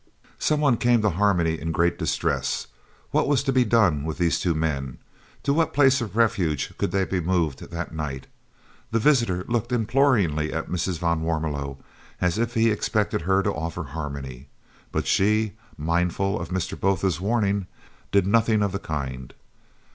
Some one came to Harmony in great distress. What was to be done with those two men? To what place of refuge could they be moved that night? The visitor looked imploringly at Mrs. van Warmelo as if he expected her to offer Harmony, but she, mindful of Mr. Botha's warning, did nothing of the kind.